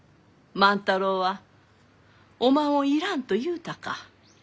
万太郎はおまんを要らんと言うたか。